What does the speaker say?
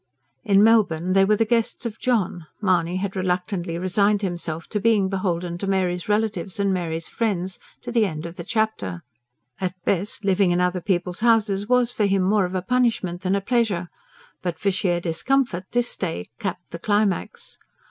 In Melbourne they were the guests of John Mahony had reluctantly resigned himself to being beholden to Mary's relatives and Mary's friends to the end of the chapter. At best, living in other people's houses was for him more of a punishment than a pleasure; but for sheer discomfort this stay capped the climax.